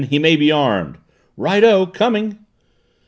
He may be armed!" "Righto coming!"